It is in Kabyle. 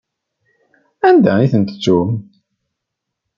Anda i tent-tettum?